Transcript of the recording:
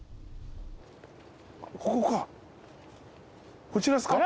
ここか。